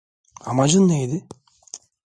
Amacın neydi?